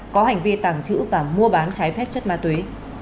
có hành vi tàng trữ và mua bán trái phép chất ma túy